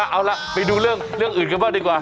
เอาล่ะไปดูเรื่องอื่นกันบ้างดีกว่า